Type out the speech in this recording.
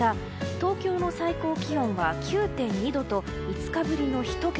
東京の最高気温は９．２度と５日ぶりの１桁。